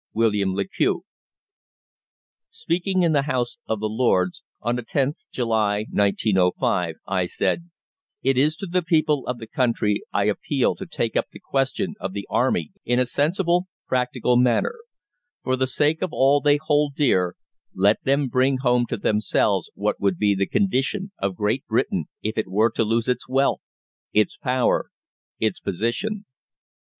WILLIAM LE QUEUX. Speaking in the House of Lords on the 10th July 1905, I said: "It is to the people of the country I appeal to take up the question of the Army in a sensible practical manner. For the sake of all they hold dear, let them bring home to themselves what would be the condition of Great Britain if it were to lose its wealth, its power, its position."